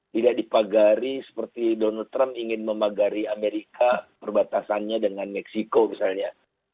tidak dipagari seperti donald trump ingin memagari amerika perbatasannya dengan meksiko misalnya